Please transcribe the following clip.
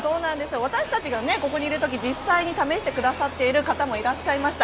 私たちがここにいる時実際に試している方もいらっしゃいました。